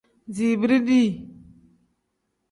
Zinbiri dii.